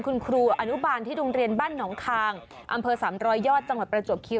คุณครูอนุบาลที่โรงเรียนบ้านหนองคางอำเภอ๓๐๐ยอดจังหวัดประจวบคิว